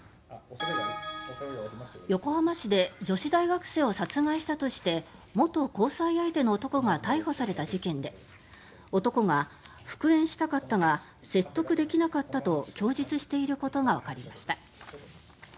横浜市で女子大学生を殺害したとして元交際相手の男が逮捕された事件で男が復縁したかったが説得できなかったと供述していることがわかりました。